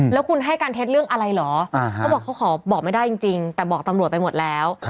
แล้วคุณให้การเท็จเรื่องอะไรเหรอเขาบอกเขาขอบอกไม่ได้จริงแต่บอกตำรวจไปหมดแล้ว